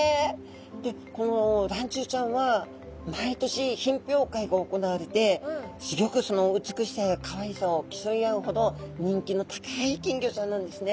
でこのらんちゅうちゃんは毎年品評会が行われてすギョくその美しさやかわいさを競い合うほど人気の高い金魚さんなんですね。